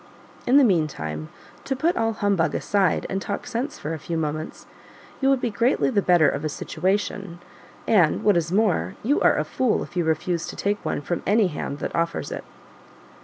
In the meantime, to put all humbug aside and talk sense for a few moments, you would be greatly the better of a situation, and what is more, you are a fool if you refuse to take one from any hand that offers it."